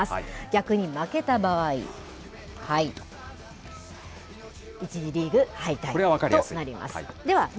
逆に負けた場合、１次リーグ敗退これは分かりやすい。